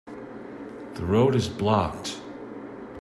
The road is blocked.